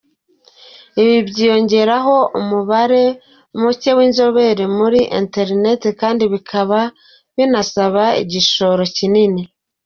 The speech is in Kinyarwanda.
Ibi byiyongeraho umubare muke w’inzobere muri Internet, kandi bikaba binasaba igishoro kinini.